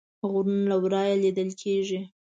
غرونه له ورایه لیدل کیږي